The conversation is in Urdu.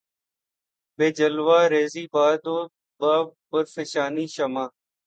بہ جلوہ ریـزئ باد و بہ پرفشانیِ شمع